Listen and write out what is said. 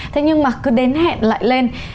thế nhưng mà cứ đến hẹn lại lên